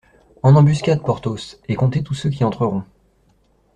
En embuscade, Porthos, et comptez tous ceux qui entreront.